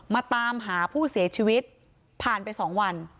มาตามหาผู้เสียชีวิตผ่านไป๒วัน